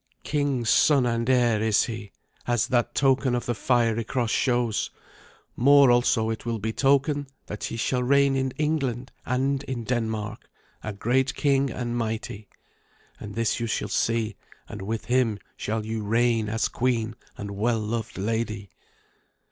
King's son and heir is he, as that token of the fiery cross shows. More, also, it will betoken that he shall reign in England and in Denmark, a great king and mighty. And this you shall see, and with him shall you reign as queen and well loved lady.'